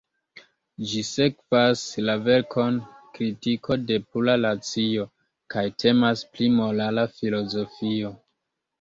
Ĝi sekvas la verkon "Kritiko de Pura Racio" kaj temas pri morala filozofio.